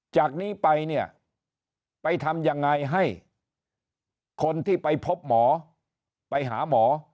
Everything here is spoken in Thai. จากนี้ไปเนี่ยไปทำยังไงให้คนที่ไปพบหมอไปหาหมอ